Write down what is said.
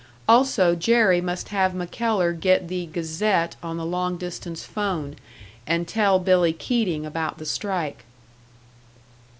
Also Jerry must have MacKellar get the Gazette on the long distance phone, and tell Billy Keating about the strike.